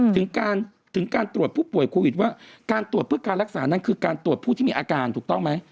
ถึงการถึงการตรวจผู้ป่วยโควิดว่าการตรวจเพื่อการรักษานั้นคือการตรวจผู้ที่มีอาการถูกต้องไหม